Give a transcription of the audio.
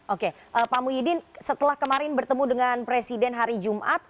oke pak muhyiddin setelah kemarin bertemu dengan presiden hari jumat